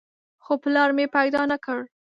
خو پلار مې پیدا نه کړ.